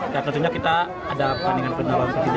dan tentunya kita ada pertandingan penolong persija